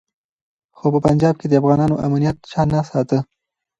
خو په پنجاب کي د افغانانو امنیت چا نه ساته.